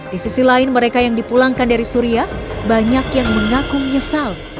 di sisi lain mereka yang dipulangkan dari suriah banyak yang mengakung nyesal